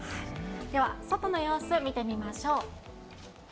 では外の様子見てみましょう。